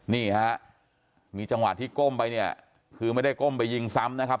นี่ฮะมีจังหวะที่ก้มไปเนี่ยคือไม่ได้ก้มไปยิงซ้ำนะครับ